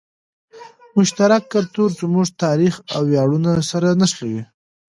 مشترک کلتور زموږ تاریخ او ویاړونه سره نښلوي.